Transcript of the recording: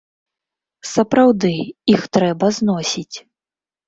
Сапраўды, іх трэба зносіць.